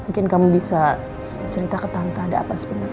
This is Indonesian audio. mungkin kamu bisa cerita ke tante ada apa sebenarnya